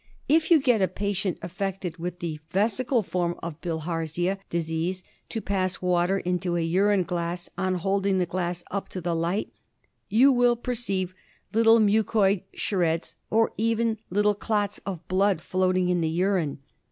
If you get a patient affected with the vesi cal form of Bilharzia disease to pass water into a urine glass, on holding the glass up to the light you will per ceive little mucoid shreds, or even little clots of blood, floating in the urine.